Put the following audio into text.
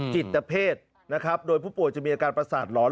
จิตเพศนะครับโดยผู้ป่วยจะมีอาการประสาทหลอน